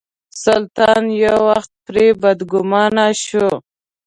سلطان یو وخت پرې بدګومانه شو.